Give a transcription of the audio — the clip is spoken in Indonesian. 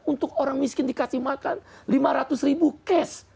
untuk orang miskin dikasih makan lima ratus ribu cash